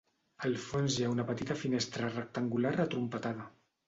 Al fons hi ha una petita finestra rectangular atrompetada.